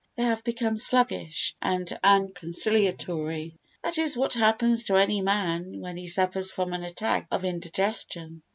They have become sluggish and unconciliatory. This is what happens to any man when he suffers from an attack of indigestion.